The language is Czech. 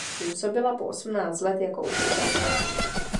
Působila po osmnáct let jako učitelka.